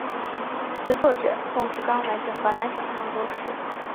词作者宋志刚来自河南省郑州市。